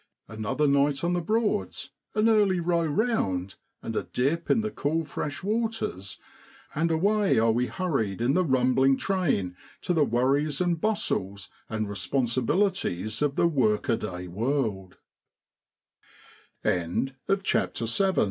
Another night on the Broads, an early row round, and a dip in the cool fresh waters, and away are we hurried in the rumbling train to the worries and bustles and responsibilities of the work a day world. AUGUST IN BKOADLAND. ' Oh